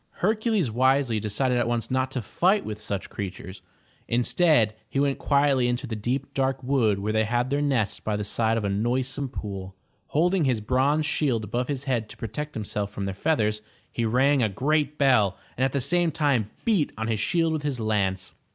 Hercules wisely decided at once not to fight with such creatures. Instead, he went quietly into the deep dark wood where they had their nests by the side of a noisome pool. Holding his bronze shield above his head to protect himself from their feathers, he rang a great bell and at the same time beat on his shield with his lance.